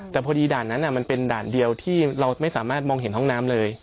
แต่พอดีด่านนั้นมันเป็นด่านเดียวที่เราไม่สามารถมองเห็นห้องน้ำเลย